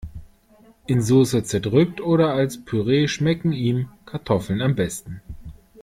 In Soße zerdrückt oder als Püree schmecken ihm Kartoffeln am besten.